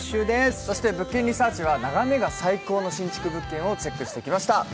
そして「物件リサーチ」は眺めが最高の新築物件を調査してきました。